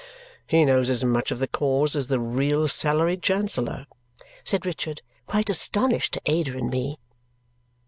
"He knows as much of the cause as the real salaried Chancellor!" said Richard, quite astonished, to Ada and me.